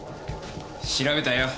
調べたよ